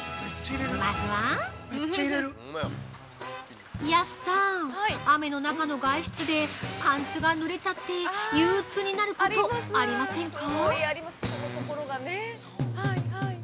まずは安さん、雨の中の外出でパンツがぬれちゃって憂鬱になることありませんか？